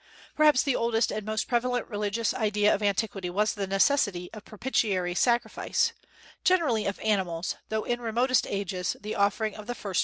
Perhaps the oldest and most prevalent religious idea of antiquity was the necessity of propitiatory sacrifice, generally of animals, though in remotest ages the offering of the fruits of the earth.